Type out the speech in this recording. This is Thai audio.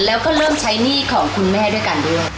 แล้วก็เริ่มใช้หนี้ของคุณแม่ด้วยกันด้วย